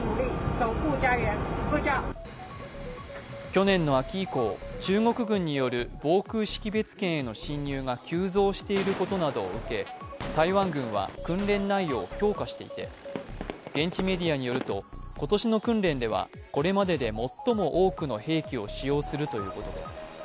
去年の秋以降、中国軍による防空識別圏への侵入が急増していることなどを受け台湾軍は訓練内容を強化していて現地メディアによると、今年の訓練ではこれまでで最も多くの兵器を使用するということです。